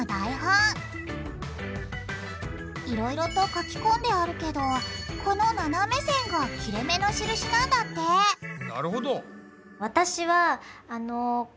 いろいろと書き込んであるけどこのななめ線が切れめの印なんだってなるほど！